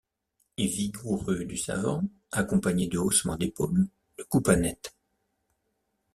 vigoureux du savant, accompagné de haussements d’épaules, le coupa net.